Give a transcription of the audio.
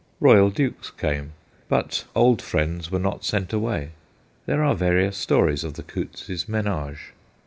Boyal Dukes came, but old friends were not sent EXIT COUTTS 215 away. There are various stories of the Coutts's menage.